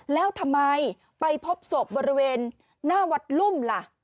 แล้วทำไมไปพบศพบริเวณหน้าวัดลุ่มล่ะ